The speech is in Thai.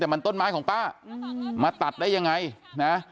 แต่มันต้นไม้ของป้ามาตัดได้ยังไงนะ